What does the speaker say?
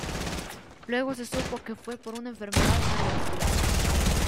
Luego se supo que fue por una enfermedad cardiovascular.